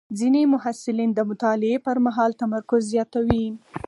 ځینې محصلین د مطالعې پر مهال تمرکز زیاتوي.